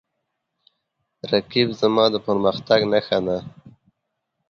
رقیب زما د پرمختګ نښه ده